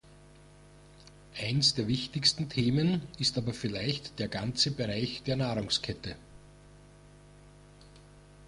Eins der wichtigsten Themen ist aber vielleicht der ganze Bereich der Nahrungskette.